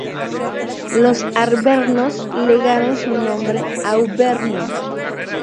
Los arvernos legaron su nombre a Auvernia.